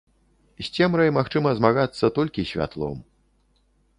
З цемрай магчыма змагацца толькі святлом.